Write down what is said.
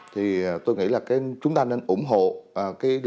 thì tôi nghĩ là chúng ta nên ủng hộ cái điều đó